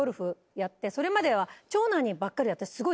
それまでは長男にばっかり私すごい。